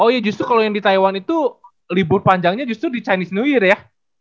oh iya justru kalau yang di taiwan itu libur panjangnya justru di chinese new year ya